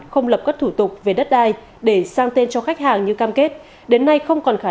không lập các thủ tục về đất đai để sang tên cho khách hàng như cam kết đến nay không còn khả